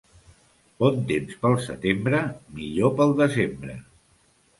Bon temps pel setembre, millor pel desembre.